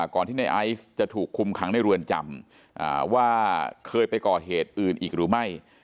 ก่อนที่ในไอซ์จะถูกคุมขังในเรือนจำว่าเคยไปก่อเหตุอื่นอีกหรือไม่